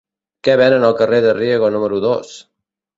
Què venen al carrer de Riego número dos?